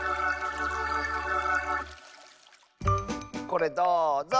これどうぞ！